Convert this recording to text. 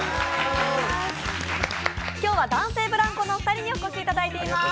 今日は、男性ブランコのお二人にお越しいただいています。